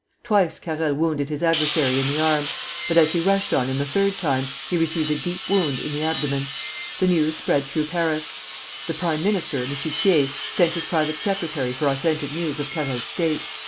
Twice Carrel wounded his adversary in the arm; but as he rushed on him the third time, he received a deep wound in the abdomen. The news spread through Paris. The prime minister, M. Thiers, sent his private secretary for authentic news of Carrel's state.